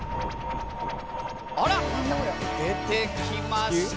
あら出てきました。